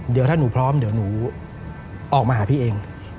เดี๋ยวถ้าหนูพร้อมเดี๋ยวหนูออกมาหาพี่เอง